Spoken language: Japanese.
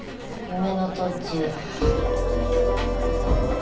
夢の途中？